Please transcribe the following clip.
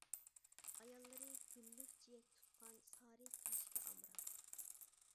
ئاياللىرى گۈللۈك جىيەك تۇتقان سارى كىيىشكە ئامراق.